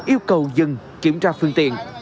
yêu cầu dừng kiểm tra phương tiện